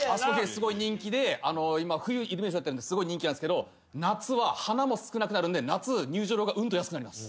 すごい人気で冬イルミネーションやってるんですごい人気なんですけど夏は花も少なくなるんで夏入場料がうんと安くなります。